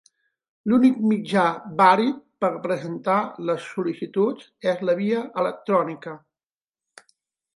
L'únic mitjà vàlid per presentar les sol·licituds és la via electrònica.